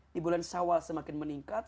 di bulan syawal semakin meningkat